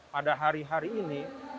pada hari hari ini